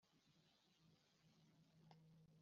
Yari Yarakomeje